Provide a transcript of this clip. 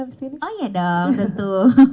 habis ini oh iya dong tentu